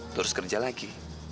terus kerja lagi